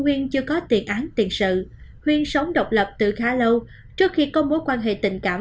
huyền chưa có tiền án tiền sự huyền sống độc lập từ khá lâu trước khi công bố quan hệ tình cảm